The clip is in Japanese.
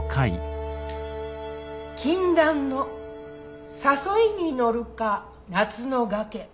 「禁断の誘いに乗るか夏の崖」。